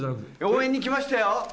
応援に来ましたよ。